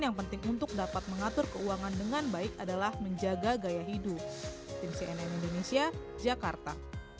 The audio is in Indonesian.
yang penting untuk dapat mengatur keuangan dengan baik adalah menjaga gaya hidup tim cnn indonesia jakarta